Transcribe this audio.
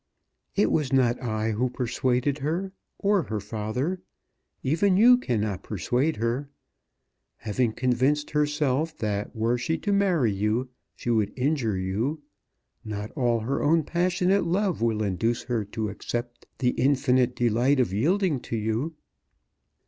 "It was not I who persuaded her, or her father. Even you cannot persuade her. Having convinced herself that were she to marry you, she would injure you, not all her own passionate love will induce her to accept the infinite delight of yielding to you.